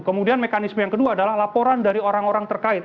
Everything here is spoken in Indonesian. kemudian mekanisme yang kedua adalah laporan dari orang orang terkait